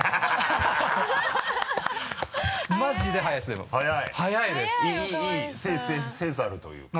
早い。